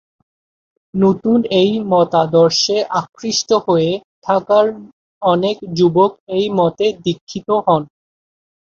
নতুন এই মতাদর্শে আকৃষ্ট হয়ে ঢাকার অনেক যুবক এই মতে দীক্ষিত হন।